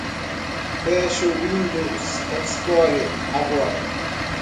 Feche o Windows Explorer agora.